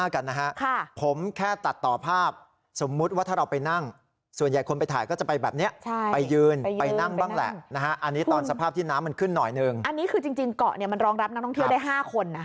ขึ้นหน่อยนึงอันนี้คือจริงจริงเกาะเนี่ยมันรองรับนักท่องเที่ยวได้ห้าคนนะ